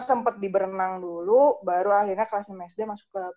gue sempet di berenang dulu baru akhirnya kelasnya msd masuk klub